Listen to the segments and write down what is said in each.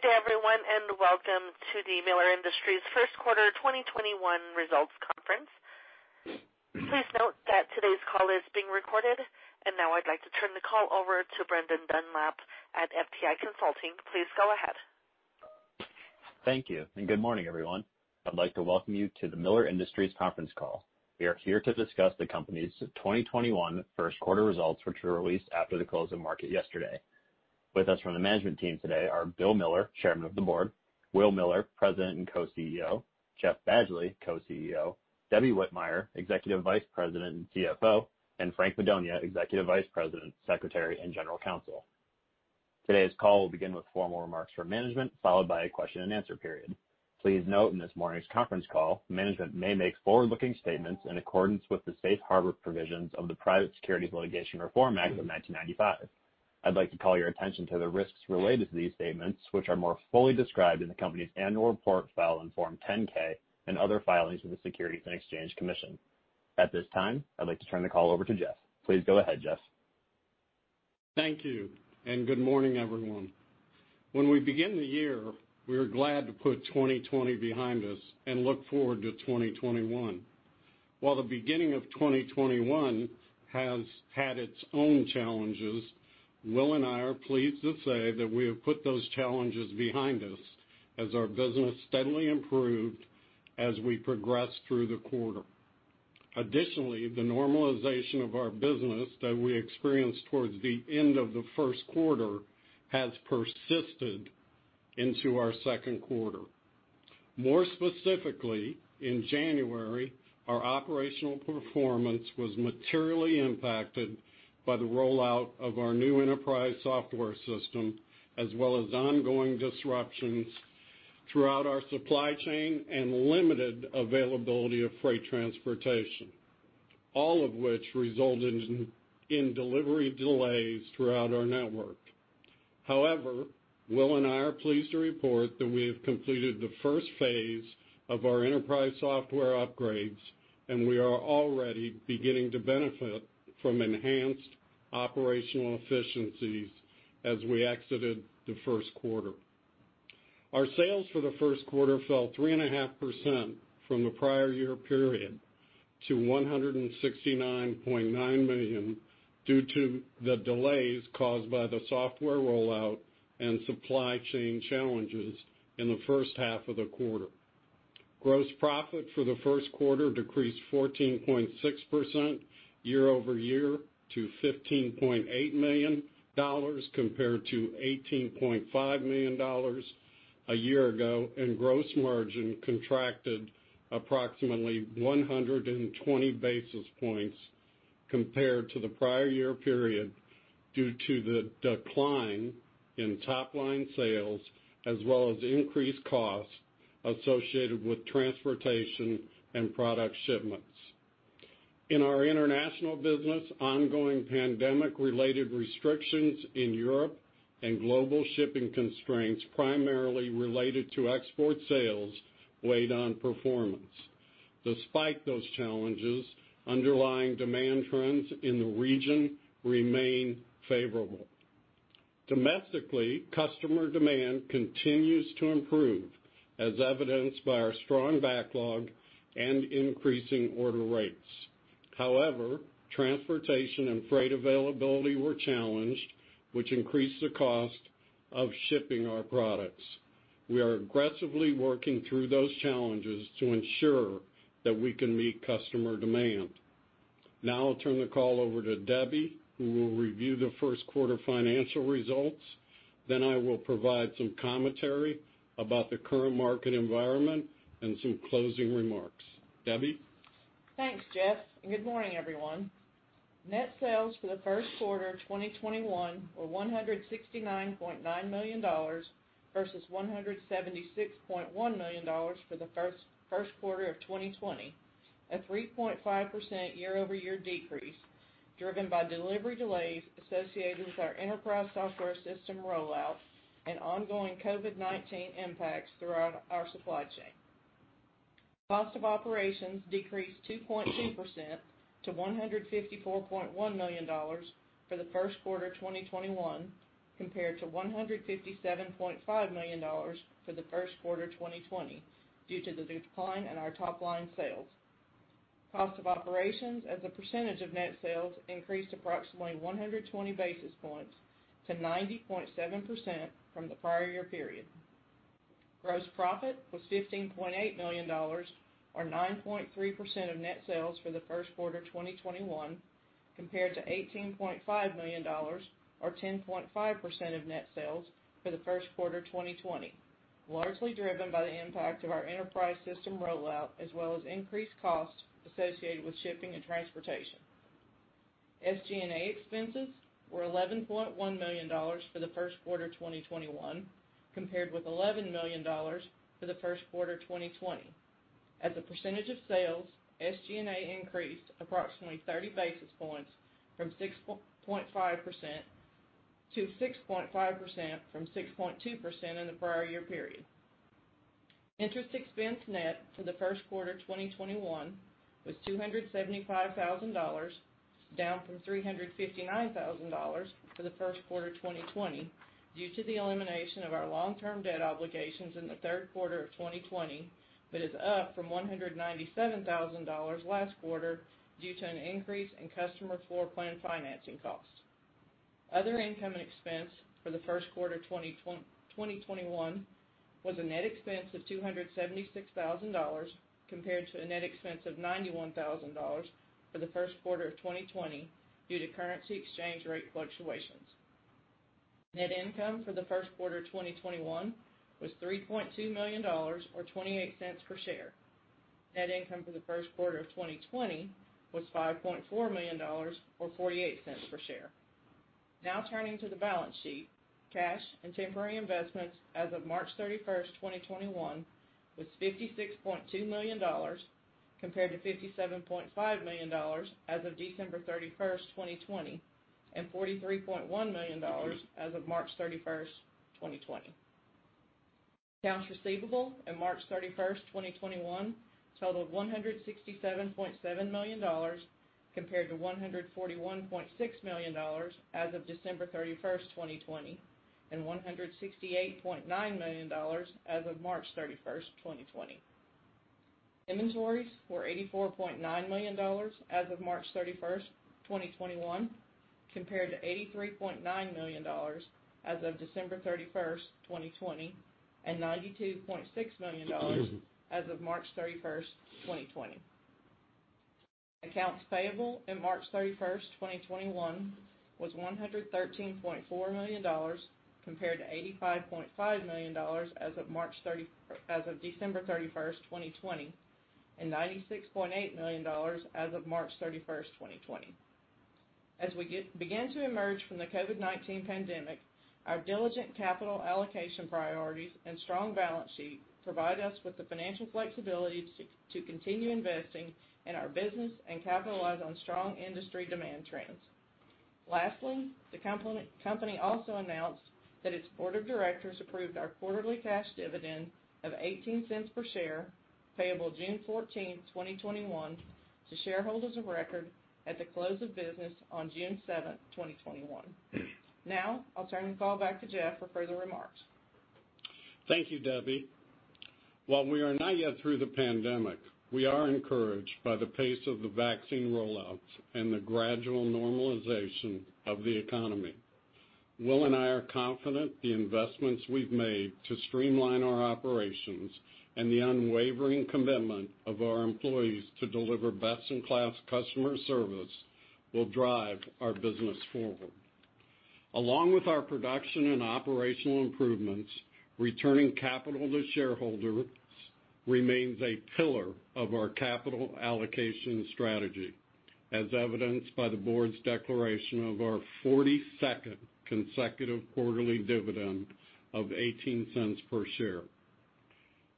Good day, everyone, and welcome to the Miller Industries first quarter 2021 results conference. Please note that today's call is being recorded. Now I'd like to turn the call over to Brendan Dunlap at FTI Consulting. Please go ahead. Thank you. Good morning, everyone. I'd like to welcome you to the Miller Industries conference call. We are here to discuss the company's 2021 first quarter results, which were released after the close of market yesterday. With us from the management team today are Bill Miller, Chairman of the Board, Will Miller, President and Co-CEO, Jeff Badgley, Co-CEO, Debbie Whitmire, Executive Vice President and CFO, and Frank Madonia, Executive Vice President, Secretary, and General Counsel. Today's call will begin with formal remarks from management, followed by a question and answer period. Please note, in this morning's conference call, management may make forward-looking statements in accordance with the safe harbor provisions of the Private Securities Litigation Reform Act of 1995. I'd like to call your attention to the risks related to these statements, which are more fully described in the company's annual report filed in Form 10-K and other filings with the Securities and Exchange Commission. At this time, I'd like to turn the call over to Jeff. Please go ahead, Jeff. Thank you, and good morning, everyone. When we begin the year, we are glad to put 2020 behind us and look forward to 2021. While the beginning of 2021 has had its own challenges, Will and I are pleased to say that we have put those challenges behind us as our business steadily improved as we progressed through the quarter. Additionally, the normalization of our business that we experienced towards the end of the first quarter has persisted into our second quarter. More specifically, in January, our operational performance was materially impacted by the rollout of our new enterprise software system, as well as ongoing disruptions throughout our supply chain and limited availability of freight transportation, all of which resulted in delivery delays throughout our network. However, Will and I are pleased to report that we have completed the first phase of our enterprise software upgrades, and we are already beginning to benefit from enhanced operational efficiencies as we exited the first quarter. Our sales for the first quarter fell 3.5% from the prior year period to $169.9 million due to the delays caused by the software rollout and supply chain challenges in the first half of the quarter. Gross profit for the first quarter decreased 14.6% year-over-year to $15.8 million compared to $18.5 million a year ago, and gross margin contracted approximately 120 basis points compared to the prior year period due to the decline in top-line sales, as well as increased costs associated with transportation and product shipments. In our international business, ongoing pandemic-related restrictions in Europe and global shipping constraints, primarily related to export sales, weighed on performance. Despite those challenges, underlying demand trends in the region remain favorable. Domestically, customer demand continues to improve, as evidenced by our strong backlog and increasing order rates. However, transportation and freight availability were challenged, which increased the cost of shipping our products. We are aggressively working through those challenges to ensure that we can meet customer demand. Now I'll turn the call over to Debbie, who will review the first quarter financial results. I will provide some commentary about the current market environment and some closing remarks. Debbie? Thanks, Jeff, and good morning, everyone. Net sales for the first quarter of 2021 were $169.9 million versus $176.1 million for the first quarter of 2020, a 3.5% year-over-year decrease driven by delivery delays associated with our enterprise software system rollout and ongoing COVID-19 impacts throughout our supply chain. Cost of operations decreased 2.2% to $154.1 million for the first quarter of 2021 compared to $157.5 million for the first quarter of 2020 due to the decline in our top-line sales. Cost of operations as a percentage of net sales increased approximately 120 basis points to 90.7% from the prior year period. Gross profit was $15.8 million, or 9.3% of net sales for the first quarter 2021 compared to $18.5 million, or 10.5% of net sales for the first quarter 2020, largely driven by the impact of our enterprise system rollout as well as increased costs associated with shipping and transportation. SG&A expenses were $11.1 million for the first quarter 2021, compared with $11 million for the first quarter 2020. As a percentage of sales, SG&A increased approximately 30 basis points to 6.5% from 6.2% in the prior year period. Interest expense net for the first quarter 2021 was $275,000, down from $359,000 for the first quarter 2020 due to the elimination of our long-term debt obligations in the third quarter of 2020, but is up from $197,000 last quarter, due to an increase in customer floorplan financing costs. Other income and expense for the first quarter 2021 was a net expense of $276,000 compared to a net expense of $91,000 for the first quarter of 2020 due to currency exchange rate fluctuations. Net income for the first quarter 2021 was $3.2 million, or $0.28/share. Net income for the first quarter of 2020 was $5.4 million, or $0.48/share. Now turning to the balance sheet. Cash and temporary investments as of March 31st, 2021 was $56.2 million, compared to $57.5 million as of December 31st, 2020, and $43.1 million as of March 31st, 2020. Accounts receivable in March 31st, 2021 totaled $167.7 million, compared to $141.6 million as of December 31st, 2020, and $168.9 million as of March 31st, 2020. Inventories were $84.9 million as of March 31st, 2021, compared to $83.9 million as of December 31st, 2020, and $92.6 million as of March 31st, 2020. Accounts payable in March 31st, 2021 was $113.4 million, compared to $85.5 million as of December 31st, 2020, and $96.8 million as of March 31st, 2020. As we begin to emerge from the COVID-19 pandemic, our diligent capital allocation priorities and strong balance sheet provide us with the financial flexibility to continue investing in our business and capitalize on strong industry demand trends. Lastly, the company also announced that its Board of Directors approved our quarterly cash dividend of $0.18/share, payable June 14th, 2021 to shareholders of record at the close of business on June 7th, 2021. Now, I'll turn the call back to Jeff for further remarks. Thank you, Debbie. While we are not yet through the pandemic, we are encouraged by the pace of the vaccine rollouts and the gradual normalization of the economy. Will and I are confident the investments we've made to streamline our operations and the unwavering commitment of our employees to deliver best-in-class customer service will drive our business forward. Along with our production and operational improvements, returning capital to shareholders remains a pillar of our capital allocation strategy, as evidenced by the Board's declaration of our 42nd consecutive quarterly dividend of $0.18/share.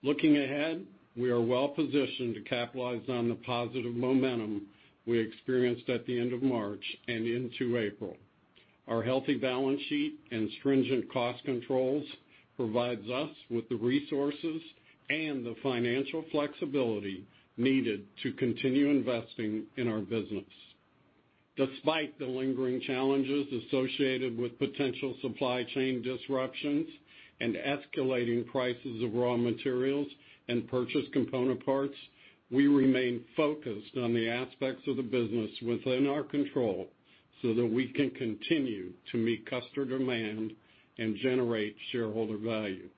Looking ahead, we are well-positioned to capitalize on the positive momentum we experienced at the end of March and into April. Our healthy balance sheet and stringent cost controls provides us with the resources and the financial flexibility needed to continue investing in our business. Despite the lingering challenges associated with potential supply chain disruptions and escalating prices of raw materials and purchase component parts, we remain focused on the aspects of the business within our control so that we can continue to meet customer demand and generate shareholder value.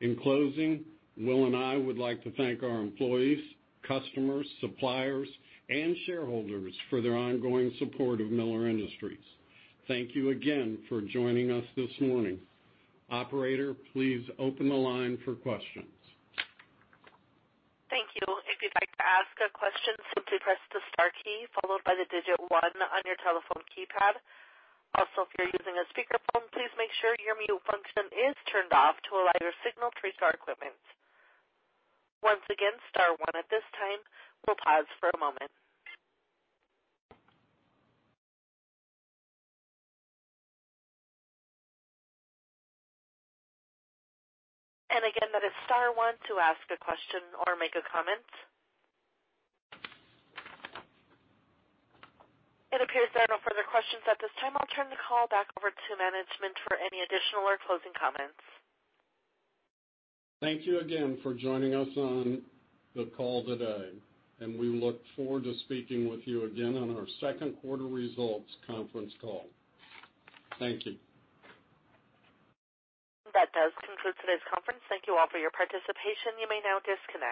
In closing, Will and I would like to thank our employees, customers, suppliers, and shareholders for their ongoing support of Miller Industries. Thank you again for joining us this morning. Operator, please open the line for questions. Thank you. If you'd like to ask a question, simply press the star key followed by the digit one on your telephone keypad. Also, if you're using a speakerphone, please make sure your mute function is turned off to allow your signal to reach our equipment. Once again, star one at this time. We'll pause for a moment. Again, that is star one to ask a question or make a comment. It appears there are no further questions at this time. I'll turn the call back over to management for any additional or closing comments. Thank you again for joining us on the call today, and we look forward to speaking with you again on our second quarter results conference call. Thank you. That does conclude today's conference. Thank you all for your participation. You may now disconnect.